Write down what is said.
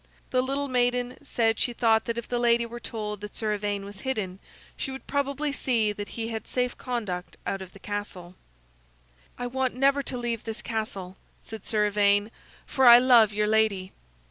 The little maiden said she thought that if the lady were told that Sir Ivaine was hidden she would probably see that he had a safe conduct out of the castle. "I want never to leave this castle," said Sir Ivaine; "for I love your lady."